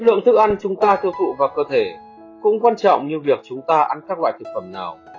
lượng thức ăn chúng ta tiêu thụ vào cơ thể cũng quan trọng như việc chúng ta ăn các loại thực phẩm nào